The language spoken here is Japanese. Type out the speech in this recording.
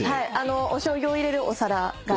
おしょうゆを入れるお皿がありました。